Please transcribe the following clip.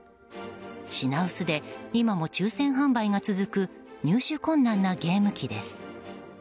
品薄で今も抽選販売が続く入手困難なゲーム機です。